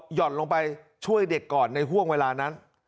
ห่อนลงไปช่วยเด็กก่อนในห่วงเวลานั้น